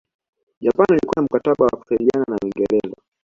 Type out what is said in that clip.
Japani ilikuwa na mkataba wa kusaidana na Uingreza